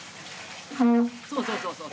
そうそうそうそう。